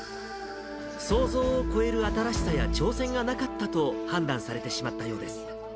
想像を超える新しさや挑戦がなかったと判断されてしまったようです。